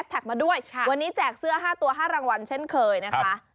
เอ้าอย่าไปกินเปลือกทุเรียนแล้วกัน